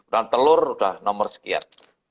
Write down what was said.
dan telur udah nomor sekian